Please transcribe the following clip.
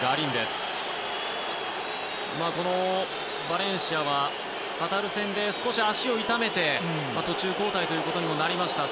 バレンシアはカタール戦で少し足を痛めて途中交代となりました。